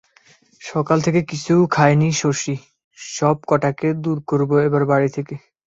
সকাল থেকে কিছু খায় নি শশী, সব কটাকে দূর করব এবার বাড়ি থেকে।